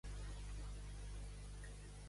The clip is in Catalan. De glorificat a matines.